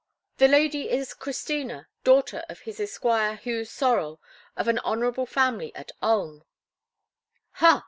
"The lady is Christina, daughter of his esquire, Hugh Sorel, of an honourable family at Ulm." "Ha!